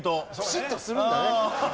ピシッとするんだね。